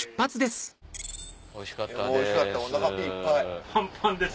おいしかったです。